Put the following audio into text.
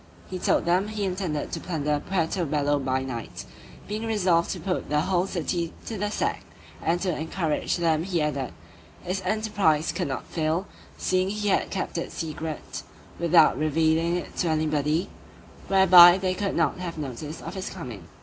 He told them he intended to plunder Puerto Bello by night, being resolved to put the whole city to the sack: and to encourage them he added, this enterprise could not fail, seeing he had kept it secret, without revealing it to anybody, whereby they could not have notice of his coming.